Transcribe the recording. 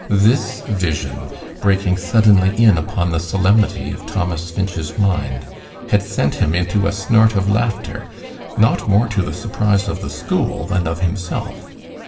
This vision breaking suddenly in upon the solemnity of Thomas Finch's mind, had sent him into a snort of laughter, not more to the surprise of the school than of himself.